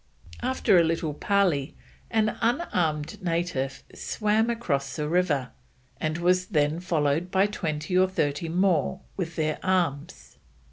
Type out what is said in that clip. After a little parley an unarmed native swam across the river, and was then followed by twenty or thirty more with their arms.